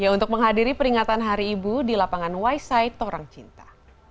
untuk menghadiri peringatan hari ibu di lapangan waisai torang cinta